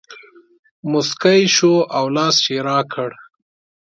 مسکی شو او لاس یې راکړ.